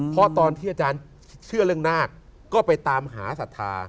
เพราะตอนที่อาจารย์เชื่อเรื่องนาคก็ไปตามหาศรัทธา